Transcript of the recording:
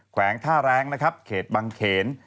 แวงท่าแรงนะครับเขตบังเขน